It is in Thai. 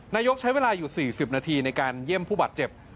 นายกใช้เวลาอยู่๔๐นาทีในการเยี่ยมผู้บาดเจ็บ